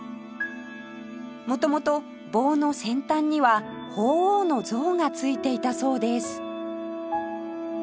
元々棒の先端には鳳凰の像が付いていたそうです